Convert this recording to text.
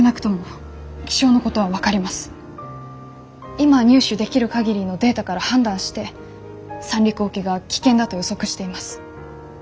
今入手できる限りのデータから判断して三陸沖が危険だと予測しています。